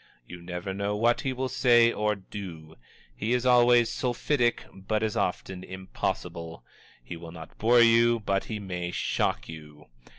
You never know what he will say or do. He is always sulphitic, but as often impossible. He will not bore you, but he may shock you.